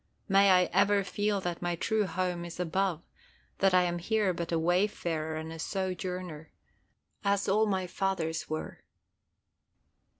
May I ever feel that my true home is above, that I am here but a wayfarer and sojourner, as all my fathers were.